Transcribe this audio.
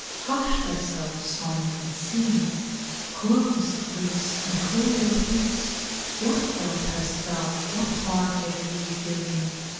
18 Hush thyself, song, and cease, Close, lips, and hold your peace; What help hast thou, what part have ye herein?